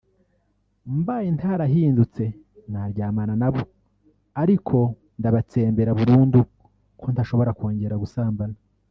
Mbaye ntarahindutse naryamana na bo ariko ndabatsembera burundu ko ntashobora kongera gusambana